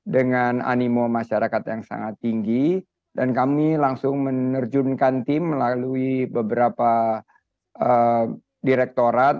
dengan animo masyarakat yang sangat tinggi dan kami langsung menerjunkan tim melalui beberapa direktorat